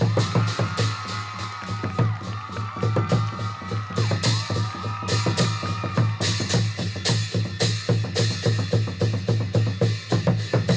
สุดยอด